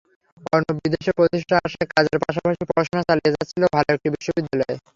অর্ণব বিদেশে প্রতিষ্ঠার আশায় কাজের পাশাপাশি পড়াশোনা চালিয়ে যাচ্ছিল ভালো একটি বিশ্ববিদ্যালয়ে।